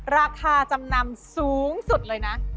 ราคาจำนำสูงสุดเลยนะ